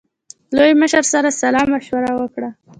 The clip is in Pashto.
لوی مشر سره سلا مشوره وکړه.